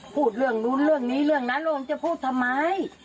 พูดเรื่องนู้นเรื่องนี้เรื่องนั้นแล้วมันจะพูดทำไม